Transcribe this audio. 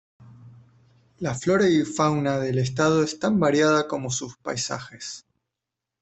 La flora y fauna del estado es tan variada como sus paisajes.